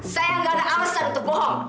saya nggak ada alasan untuk bohong